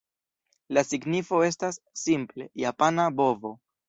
La signifo estas, simple, "japana bovo".